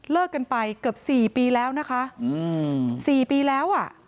เลิกกันไปเกือบสี่ปีแล้วนะคะ๔ปีแล้ว